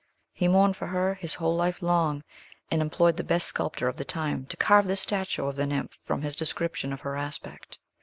He mourned for her his whole life long, and employed the best sculptor of the time to carve this statue of the nymph from his description of her aspect.